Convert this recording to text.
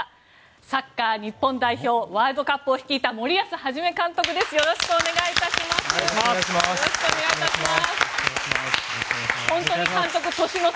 サッカー日本代表ワールドカップを率いた森保一監督です。